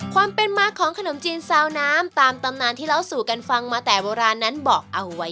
ความเป็นมาของขนมจีนซาวน้ำตามตำนานที่เล่าสู่กันฟังมาแต่โบราณนั้นบอกเอาไว้